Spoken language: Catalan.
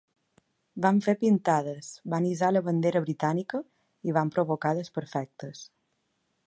Van fer pintades, van hissar la bandera britànica i van provocar desperfectes.